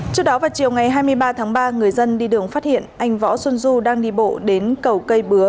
trước đó vào chiều ngày hai mươi ba tháng ba người dân đi đường phát hiện anh võ xuân du đang đi bộ đến cầu cây bứa